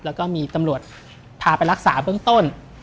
แล้วก็มีตำรวจพาไปรักษาเบื้องต้น